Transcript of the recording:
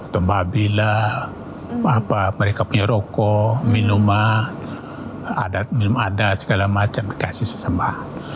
tembabilah mereka punya rokok minuman minuman adat segala macam dikasih sesembahan